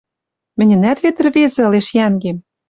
Мӹньӹнӓт вет ӹрвезӹ ылеш йӓнгем...